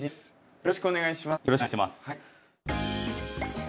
よろしくお願いします。